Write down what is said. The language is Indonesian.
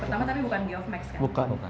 bahan baku pertama tapi bukan gioff max kan